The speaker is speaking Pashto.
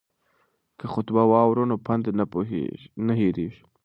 که خطبه واورو نو پند نه هیریږي.